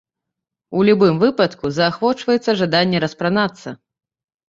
У любым выпадку, заахвочваецца жаданне распранацца.